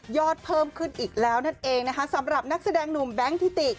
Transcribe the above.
เพิ่มขึ้นอีกแล้วนั่นเองนะคะสำหรับนักแสดงหนุ่มแบงค์ทิติ